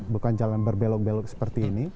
bukan jalan berbelok belok seperti ini